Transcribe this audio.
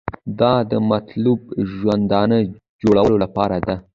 دا د مطلوب ژوندانه جوړولو لپاره ده.